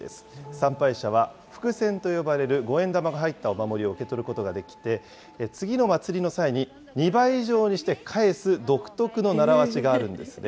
参拝者は福銭と呼ばれる五円玉が入ったお守りを受け取ることができて、次の祭りの際に２倍以上にして返す独特の習わしがあるんですね。